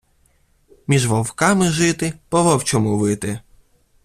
Між вовками жити, по-вовчому вити.